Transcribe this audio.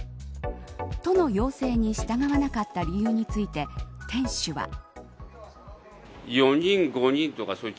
都の要請に従わなかった理由について、店主は。